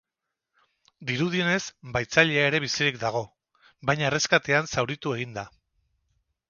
Dirudienez, bahitzailea ere bizirik dago, baina erreskatean zauritu egin da.